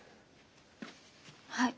はい。